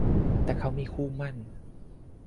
แต่เขามีคู่หมั้น